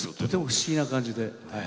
不思議な感じで。